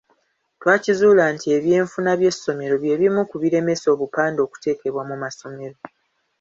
Twakizuula nti ebyenfuna by’essomero bye bimu ku biremesa obupande okutekebwa mu masomero.